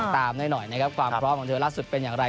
ตามน้อยความพร้อมของเธอล่าสุดเป็นอย่างไร